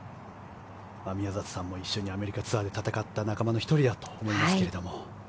宮里さんも一緒にアメリカツアーで戦った仲間の１人だと思いますけれど。